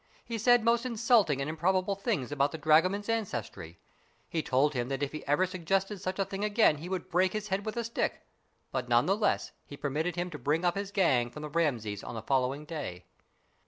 He said most insulting and improbable things about the drago man's ancestry. He told him that if he ever suggested such a thing again he would break his head with a stick ; but none the less he permitted him to bring up his gang from the Rameses on the following day.